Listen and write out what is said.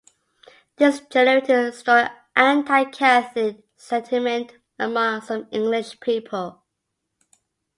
This generated strong anti-Catholic sentiment among some English people.